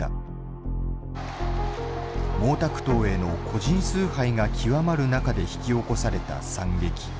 毛沢東への個人崇拝が極まる中で引き起こされた惨劇。